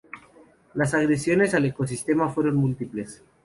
Las agresiones al ecosistema fueron múltiples.